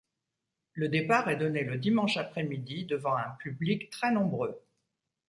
Le départ est donné le dimanche après-midi, devant un public très nombreux.